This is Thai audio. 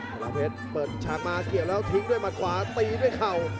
ลาเพชรเปิดฉากมาเกี่ยวแล้วทิ้งด้วยมัดขวาตีด้วยเข่า